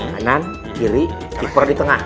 kanan kiri kipper di tengah